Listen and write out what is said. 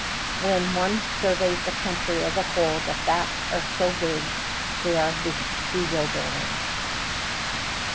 When one surveys the country as a whole, the facts are so big they are bewildering.